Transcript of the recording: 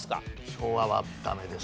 昭和はダメですね。